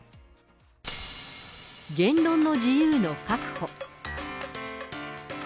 言論の自由の確保。